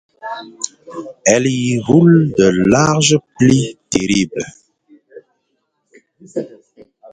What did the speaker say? Elle y roule de larges plis terribles.